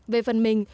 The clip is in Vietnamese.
về phần mình